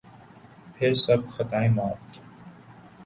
پھر سب خطائیں معاف۔